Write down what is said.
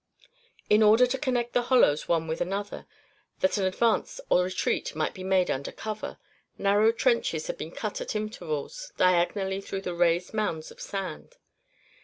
In order to connect the hollows one with another, that an advance or retreat might be made under cover, narrow trenches had been cut at intervals diagonally through the raised mounds of sand.